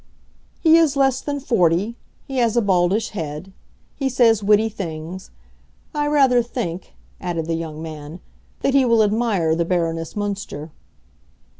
"He is less than forty; he has a baldish head; he says witty things. I rather think," added the young man, "that he will admire the Baroness Münster."